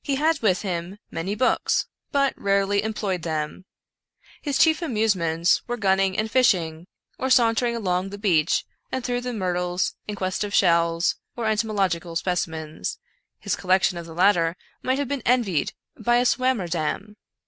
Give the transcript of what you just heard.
He had with him many books, but rarely em ployed them. His chief amusements were gunning and fishing, or sauntering along the beach and through the myr tles, in quest of shells or entomological specimens — his col lection of the latter might have been envied by a Swammer damm.